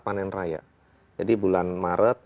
panen raya jadi bulan maret